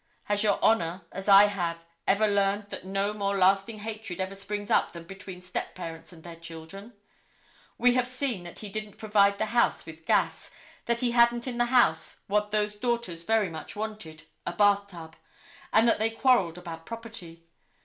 Has Your Honor, as I have, ever learned that no more lasting hatred ever springs up than between step parents and their children? We have seen that he didn't provide the house with gas, that he hadn't in the house what those daughters very much wanted, a bath tub, and that they quarrelled about property.